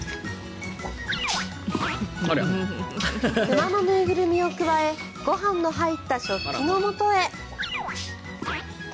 熊の縫いぐるみをくわえご飯の入った食器のもとへ。